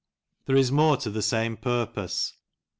There is more to the same purpose.